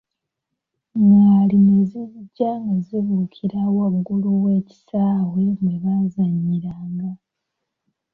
Ngaali ne zijja nga zibukira wagulu w'ekisaawe mwe baazanyira nga.